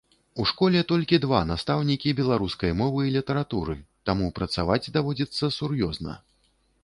У школе толькі два настаўнікі беларускай мовы і літаратуры, таму працаваць даводзіцца сур'ёзна.